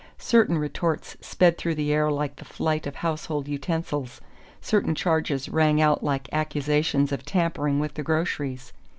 Certain retorts sped through the air like the flight of household utensils, certain charges rang out like accusations of tampering with the groceries.